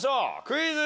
クイズ。